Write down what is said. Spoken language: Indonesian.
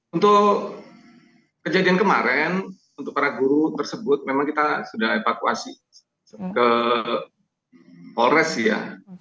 untuk kejadian kemarin untuk para guru tersebut memang kita sudah evakuasi ke polres ya